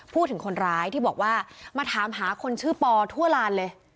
พูดถึงคนร้ายที่บอกว่ามาถามหาคนชื่อปอทั่วลานเลย